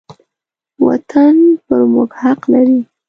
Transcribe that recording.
وطن پر موږ حق لري.